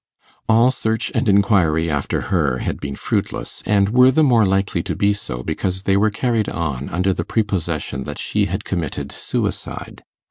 All search and inquiry after her had been fruitless, and were the more likely to be so because they were carried on under the prepossession that she had committed suicide.